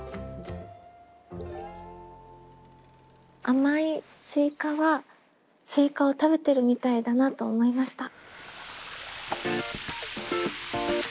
「甘いスイカ」はスイカを食べてるみたいだなと思いました。